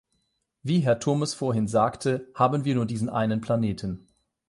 Wie Herr Turmes vorhin sagte, haben wir nur diesen einen Planeten.